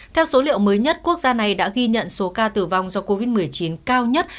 theo số liệu mới nhất quốc gia này đã ghi nhận số ca tử vong do covid một mươi chín cao nhất